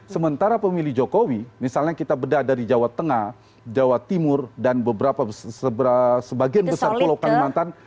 sementara pemilih jokowi misalnya kita bedah dari jawa tengah jawa timur dan sebagian besar pulau kalimantan